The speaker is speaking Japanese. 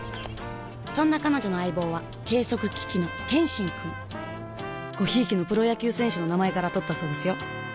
そんな彼女の相棒は計測機器の「ケンシン」くんご贔屓のプロ野球選手の名前からとったそうですよ